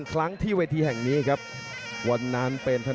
ครั้งนี้ได้ร้องตัวอีกครั้ง